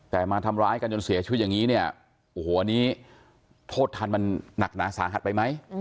แต่มาทำร้ายกันจนเสียชีวิตอย่างนี้เนี่ยโอ้โหอันนี้โทษทันมันหนักหนาสาหัสไปไหม